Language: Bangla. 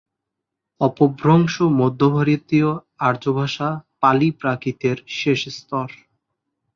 অপভ্রংশ মধ্যভারতীয় আর্যভাষা পালি-প্রাকৃতের শেষ স্তর।